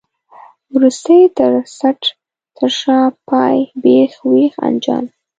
وروستی، تر څټ، تر شا، پای، بېخ، وېخ، انجام.